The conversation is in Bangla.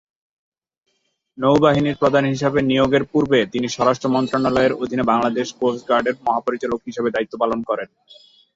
নৌবাহিনীর প্রধান হিসাবে নিয়োগের পূর্বে তিনি স্বরাষ্ট্র মন্ত্রণালয়ের অধীনে বাংলাদেশ কোস্ট গার্ডের মহাপরিচালক হিসাবে দায়িত্ব পালন করেন।